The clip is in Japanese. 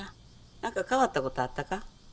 何か変わった事あったか？